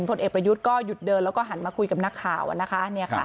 พลเอกประยุทธ์ก็หยุดเดินและหันมาคุยกับหน้าข่าว